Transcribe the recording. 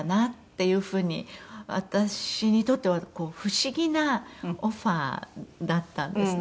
私にとっては不思議なオファーだったんですね。